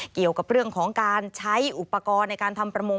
เกี่ยวกับเรื่องของการใช้อุปกรณ์ในการทำประมง